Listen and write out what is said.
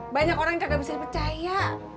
banyak orang yang kagak bisa dipercaya